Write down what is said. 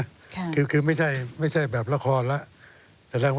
ค่ะก็คือไม่ใช่ไม่ใช่แบบละครละจะแนะนำ